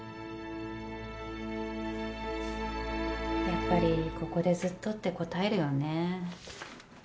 やっぱりここでずっとってこたえるよね。